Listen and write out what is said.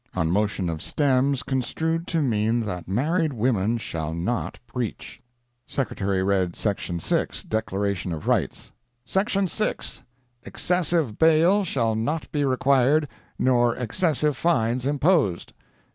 On motion of Stems, construed to mean that married women shall not preach. Secretary read Section 6, Declaration of Rights: "SECTION 6. Excessive bail shall not be required, nor excessive fines imposed."